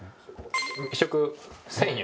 １食１，０００円？